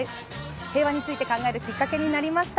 平和について考えるきっかけになりました。